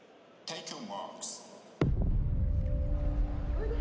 おいで！